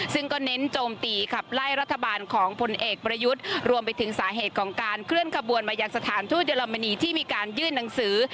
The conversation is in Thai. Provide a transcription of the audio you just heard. ซึ่งก็เน้นโจมตีขับไล่รัฐบาลของพลเอกประยุทธ์รวมไปถึงสาเหตุของการเคลื่อนขบวนมายังสถานทูตเยอรมนีที่มีการยื่นหนังสือ